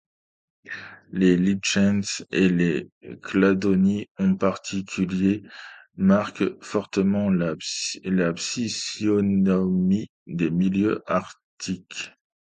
Les lichens, et les cladonies en particulier, marquent fortement la physionomie des milieux arctiques.